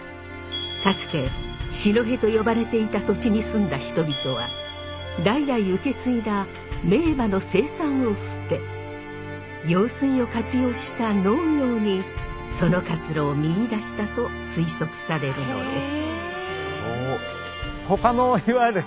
かつて四戸と呼ばれていた土地に住んだ人々は代々受け継いだ名馬の生産を捨て用水を活用した農業にその活路を見いだしたと推測されるのです。